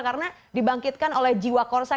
karena dibangkitkan oleh jiwa korsa